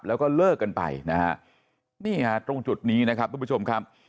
แล้วก็เลิกกันไปนะฮะนี่ฮะตรงจุดนี้นะครับทุกผู้ชมครับ